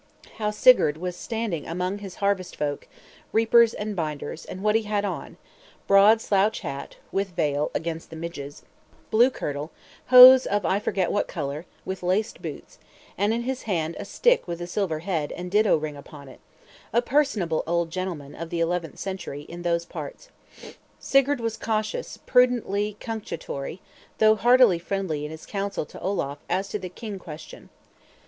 How Sigurd was standing among his harvest folk, reapers and binders; and what he had on, broad slouch hat, with veil (against the midges), blue kirtle, hose of I forget what color, with laced boots; and in his hand a stick with silver head and ditto ring upon it; a personable old gentleman, of the eleventh century, in those parts. Sigurd was cautious, prudentially cunctatory, though heartily friendly in his counsel to Olaf as to the King question.